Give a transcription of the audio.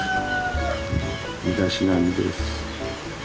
身だしなみです。